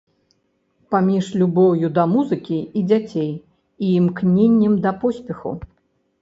Паміж любоўю да музыкі і дзяцей і імкненнем да поспеху.